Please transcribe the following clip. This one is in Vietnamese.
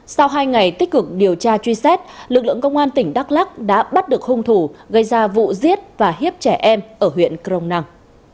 sau hai ngày tích cực điều tra truy xét lực lượng công an tỉnh đắk lắc đã bắt được hung thủ gây ra vụ giết và hiếp trẻ em ở huyện crong năng